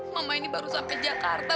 mama ini baru sampai jakarta